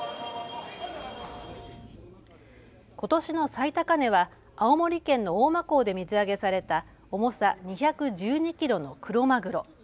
ことしの最高値は青森県の大間港で水揚げされた重さ２１２キロのクロマグロ。